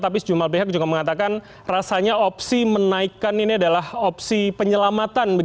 tapi sejumlah pihak juga mengatakan rasanya opsi menaikkan ini adalah opsi penyelamatan